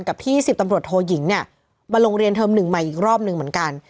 กับที่๑๐ตำรวจโทยิงเนี่ยมาโรงเรียนเทอมหนึ่งใหม่อีกรอบหนึ่งเหมือนกัน